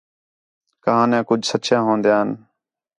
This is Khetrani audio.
کہاݨیاں کُجھ سچّیاں ہون٘دیان